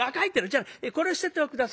じゃあこれを捨てて下さい。